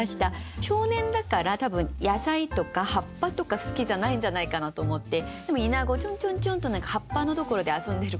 少年だから多分野菜とか葉っぱとか好きじゃないんじゃないかなと思ってでもイナゴちょんちょんちょんと何か葉っぱのところで遊んでるから。